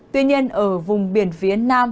tuy nhiên ở vùng biển phía nam